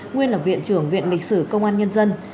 nguyên là viện trưởng viện lịch sử công an nhân dân